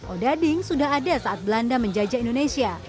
odading sudah ada saat belanda menjajah indonesia